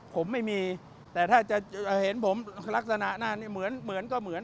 ผมไม่มีแต่ถ้าจะเห็นผมลักษณะหน้านี้เหมือนก็เหมือน